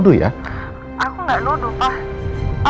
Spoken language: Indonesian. aku nggak nodo pak aku beberapa kali ngelihat mereka rindu ya